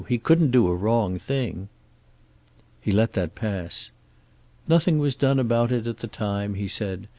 He couldn't do a wrong thing." He let that pass. "Nothing was done about it at the time," he said.